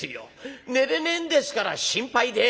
寝れねえんですから心配で。